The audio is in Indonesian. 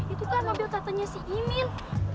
itu kan mobil katanya si imin